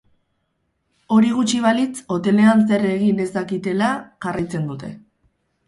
Hori gutxi balitz, hotelean zer egin ez dakitela jarraitzen dute.